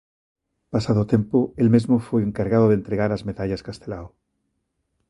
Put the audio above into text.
Pasado o tempo, el mesmo foi o encargado de entregar as medallas Castelao.